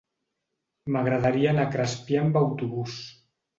M'agradaria anar a Crespià amb autobús.